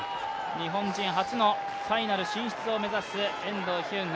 日本人初のファイナル進出を目指す遠藤日向。